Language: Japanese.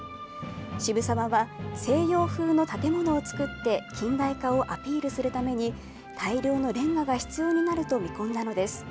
渋沢は西洋風の建物を作って、近代化をアピールするために、大量のれんがが必要になると見込んだのです。